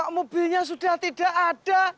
mobilnya sudah tidak ada